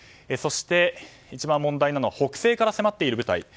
そして、一番問題なのは北西から迫っている部隊。